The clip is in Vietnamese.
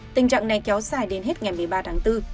tình trạng này kéo dài đến hết ngày một mươi ba tháng bốn